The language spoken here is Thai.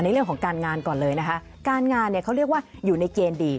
เรื่องของการงานก่อนเลยนะคะการงานเนี่ยเขาเรียกว่าอยู่ในเกณฑ์ดี